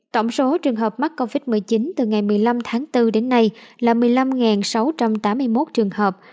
tổng số trường hợp mắc covid một mươi chín từ ngày một mươi năm tháng bốn đến nay là một mươi năm sáu trăm tám mươi một trường hợp